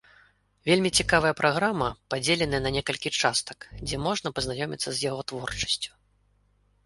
Вельмі цікавая праграма, падзеленая на некалькі частак, дзе можна пазнаёміцца з яго творчасцю.